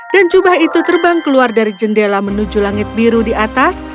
dan jubah itu terbang keluar dari jendela menuju langit biru di atas